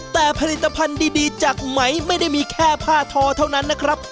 แต่ผลิตภัณฑ์ดีจากไหมไม่ได้มีแค่ผ้าทอเท่านั้นนะครับ